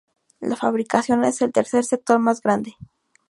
La fabricación es el tercer sector más grande.